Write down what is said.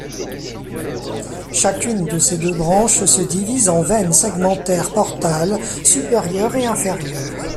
Chacune de ces deux branches se divise en veines segmentaires portales supérieure et inférieure.